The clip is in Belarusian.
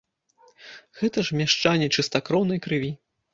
Гэта ж мяшчане чыстакроўнай крыві.